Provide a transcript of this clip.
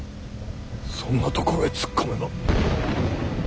そんなところへ突っ込めば。